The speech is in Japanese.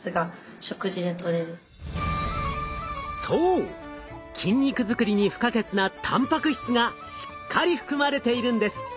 そう筋肉作りに不可欠なたんぱく質がしっかり含まれているんです。